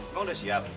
kamu udah siap